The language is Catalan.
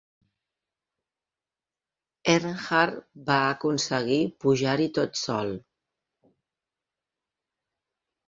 Earnhardt va aconseguir pujar-hi tot sol.